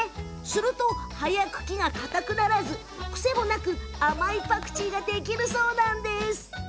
すると葉や茎がかたくならず癖もなく甘いパクチーができるそう。